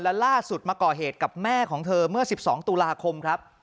และล่าสุดมาก่อเหตุกับแม่ของเธอเมื่อ๑๒ตุลาคมครับ